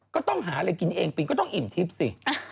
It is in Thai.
ก็ต้องหาอะไรกินเองปิงก็ต้องอิ่มทิพย์สิ